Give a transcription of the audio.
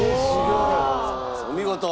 お見事！